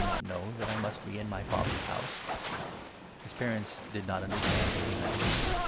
"Did 49 not you know that I must be in my Father's House ?" His parents did not understand what he meant.